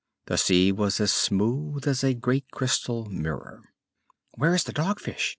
The sea was as smooth as a great crystal mirror. "Where is the Dog Fish?"